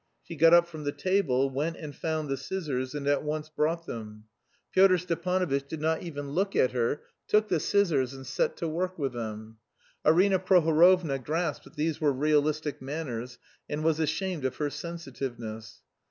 She got up from the table, went and found the scissors, and at once brought them. Pyotr Stepanovitch did not even look at her, took the scissors, and set to work with them. Arina Prohorovna grasped that these were realistic manners, and was ashamed of her sensitiveness.